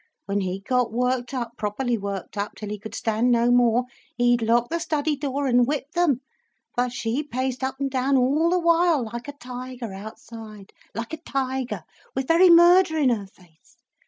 When he'd got worked up, properly worked up till he could stand no more, he'd lock the study door and whip them. But she paced up and down all the while like a tiger outside, like a tiger, with very murder in her face.